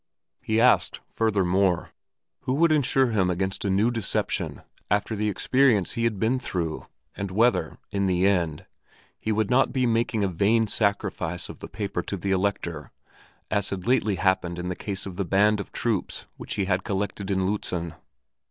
He asked, furthermore, who would insure him against a new deception after the experience he had been through, and whether, in the end, he would not be making a vain sacrifice of the paper to the Elector, as had lately happened in the case of the band of troops which he had collected in Lützen.